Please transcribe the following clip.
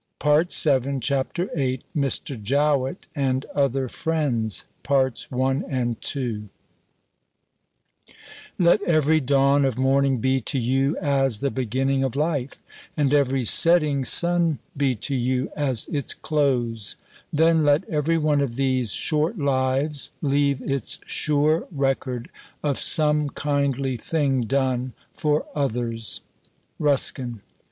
126, 133, 134. CHAPTER VIII MR. JOWETT AND OTHER FRIENDS Let every dawn of morning be to you as the beginning of life, and every setting sun be to you as its close then let every one of these short lives leave its sure record of some kindly thing done for others. RUSKIN.